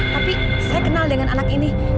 tapi saya kenal dengan anak ini